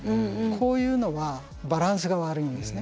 こういうのはバランスが悪いんですね。